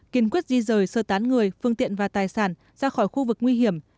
kiên quyết di rời sơ tán người phương tiện và tài sản ra khỏi khu vực nguy hiểm